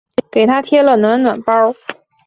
给她贴了暖暖包